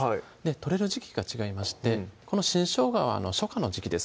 取れる時季が違いましてこの新生姜は初夏の時季ですね